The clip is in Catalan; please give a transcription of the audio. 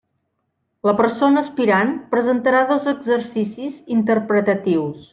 La persona aspirant presentarà dos exercicis interpretatius.